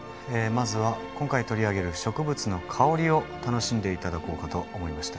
まずは今回取り上げる植物の香りを楽しんで頂こうかと思いまして。